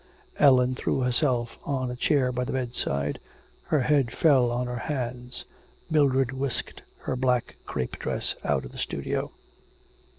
Ellen threw herself on a chair by the bedside. Her head fell on her hands. Mildred whisked her black crape dress out of the studio.